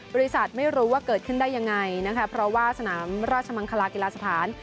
ไม่รู้ว่าเกิดขึ้นได้ยังไงนะคะเพราะว่าสนามราชมังคลากีฬาสถาน